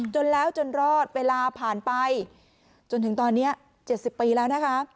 จนแล้วจนรอดเวลาผ่านไปจนถึงตอนนี้๗๐ปีแล้วนะคะ